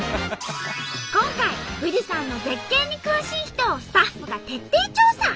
今回富士山の絶景に詳しい人をスタッフが徹底調査。